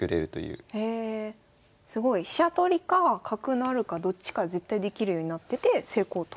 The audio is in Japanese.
すごい飛車取りか角成るかどっちか絶対できるようになってて成功と。